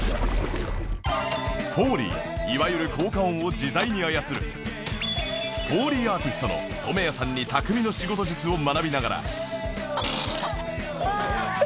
フォーリーいわゆる効果音を自在に操るフォーリーアーティストの染谷さんに匠の仕事術を学びながら